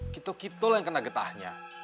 kita kita lah yang kena getahnya